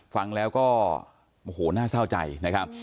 ฟังแล้วก็โอ้โหน่าเศร้าใจนะครับ